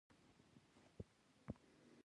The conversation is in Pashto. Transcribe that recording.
د رسنیو کار باید د خلکو د باور وړ وي.